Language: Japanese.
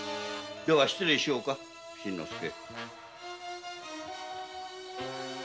では失礼しようか新之助。